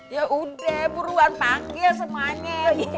ya udah buruan panggil semuanya